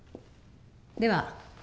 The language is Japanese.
では